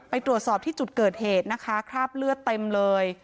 ตรวจสอบที่จุดเกิดเหตุนะคะคราบเลือดเต็มเลย